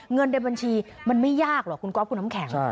เงินในบัญชีมันไม่ยากหรอกคุณก๊อฟคุณน้ำแข็ง